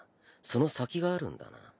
その先があるんだな。